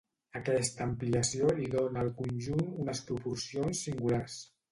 Aquesta ampliació li dóna al conjunt unes proporcions singulars.